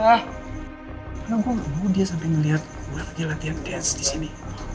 kenapa lo gak tau dia sampai ngeliat gue lagi latihan dance disini